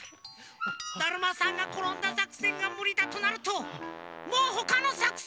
だるまさんがころんださくせんがむりだとなるともうほかのさくせんはない！